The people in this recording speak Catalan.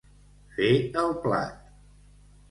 Fer el plat.